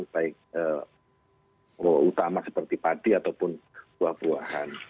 baik utama seperti padi ataupun buah buahan